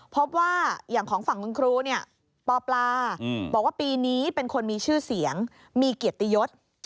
พบว่าอย่างของฝั่งคุณครูปบอกว่าปีนี้เป็นคนมีชื่อเสียงมีเกียรติยศ